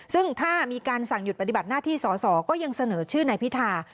ซึ่งถ้ามีการสั่งหยุดปฏิบัติหน้าที่สอสอก็ยังเสนอชื่อนายพิธา